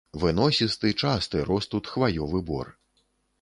Выносісты, часты рос тут хваёвы бор.